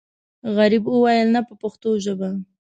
غریب وویل نه په پښتو ژبه.